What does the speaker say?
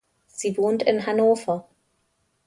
Sie wohnt in Hannover.